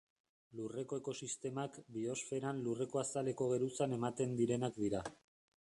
Lurreko ekosistemak Biosferan lurreko azaleko geruzan ematen direnak dira.